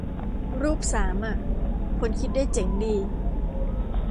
รูปสามอะ คนคิดได้เจ๋งดี